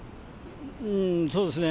そうですね。